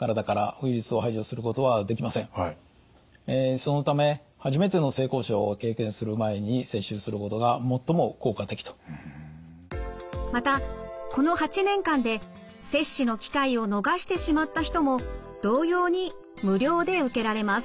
そのため初めてのまたこの８年間で接種の機会を逃してしまった人も同様に無料で受けられます。